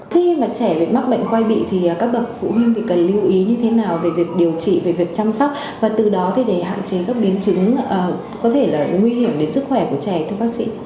khi mà trẻ bị mắc bệnh quay bị thì các bậc phụ huynh thì cần lưu ý như thế nào về việc điều trị về việc chăm sóc và từ đó để hạn chế các biến chứng có thể là nguy hiểm đến sức khỏe của trẻ thưa bác sĩ